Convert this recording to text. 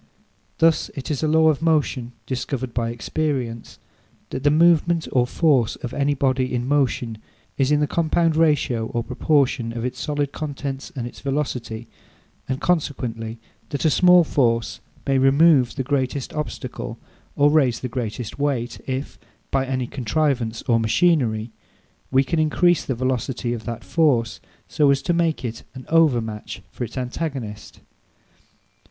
Thus, it is a law of motion, discovered by experience, that the moment or force of any body in motion is in the compound ratio or proportion of its solid contents and its velocity; and consequently, that a small force may remove the greatest obstacle or raise the greatest weight, if, by any contrivance or machinery, we can increase the velocity of that force, so as to make it an overmatch for its antagonist.